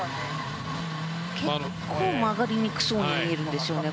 結構曲がりにくそうに見えるんですよね。